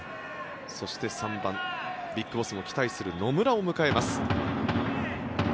そして３番ＢＩＧＢＯＳＳも期待する野村を迎えます。